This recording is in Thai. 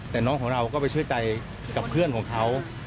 แต่น้องของเราก็ไปเชื่อใจกับเพื่อนของเขา